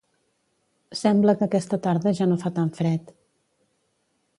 Sembla que aquesta tarda ja no fa tant fred